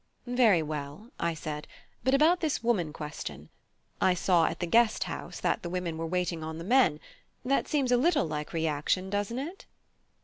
"Very well," I said; "but about this woman question? I saw at the Guest House that the women were waiting on the men: that seems a little like reaction doesn't it?"